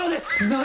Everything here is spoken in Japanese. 何！？